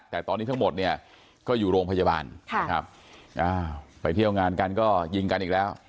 แต่ตอนนี้ทั้งหมดเนี่ยก็อยู่โรงพยาบาลนะครับไปเที่ยวงานกันก็ยิงกันอีกแล้ว